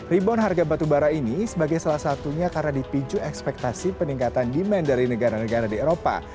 rebound harga batubara ini sebagai salah satunya karena dipicu ekspektasi peningkatan demand dari negara negara di eropa